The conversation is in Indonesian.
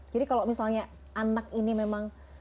jadi kalau misalnya anak ini memang